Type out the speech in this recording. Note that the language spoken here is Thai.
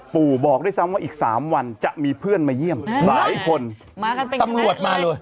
บอกด้วยซ้ำว่าอีกสามวันจะมีเพื่อนมาเยี่ยมหลายคนมากันเป็นตำรวจมาเลย